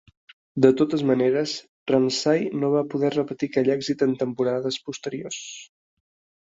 De totes maneres, Ramsay no va poder repetir aquell èxit en temporades posteriors.